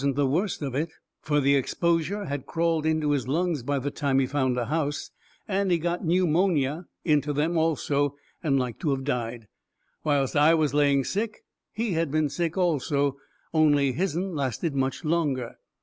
that wasn't the worst of it, fur the exposure had crawled into his lungs by the time he found a house, and he got newmonia into them also, and like to of died. Whilst I was laying sick he had been sick also, only his'n lasted much longer.